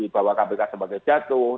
bahwa kpk sebagai jatuh